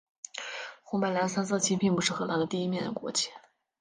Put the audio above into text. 红白蓝三色旗并不是荷兰的第一面国旗。